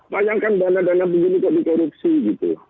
bayangkan dana dana begini kok dikorupsi gitu